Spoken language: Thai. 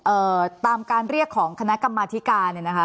เอ่อตามการเรียกของคณะกรรมาธิการเนี่ยนะคะ